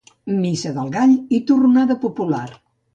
Missa del gall i torronada popular.